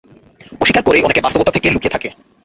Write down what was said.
অস্বীকার করেই অনেকে বাস্তবতা থেকে লুকিয়ে থাকে।